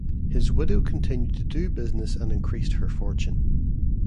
His widow continued to do business and increased her fortune.